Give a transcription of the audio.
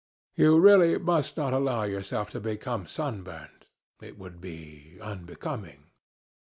You really must not allow yourself to become sunburnt. It would be unbecoming."